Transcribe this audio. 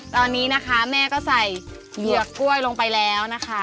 ตอนนี้นะคะแม่ก็ใส่เหยือกกล้วยลงไปแล้วนะคะ